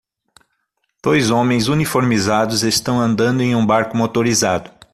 Dois homens uniformizados estão andando em um barco motorizado.